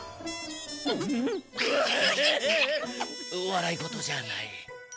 わらいごとじゃない。